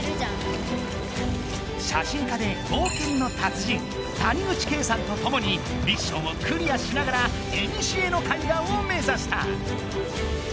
写真家で冒険の達人谷口京さんとともにミッションをクリアしながら「古の海岸」を目指した。